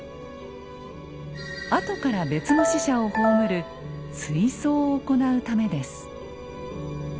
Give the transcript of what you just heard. あとから別の死者を葬る「追葬」を行うためです。